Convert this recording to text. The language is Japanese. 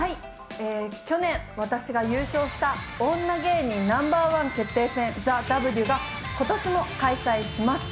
去年、私が優勝した『女芸人Ｎｏ．１決定戦ＴＨＥＷ』が今年も開催します。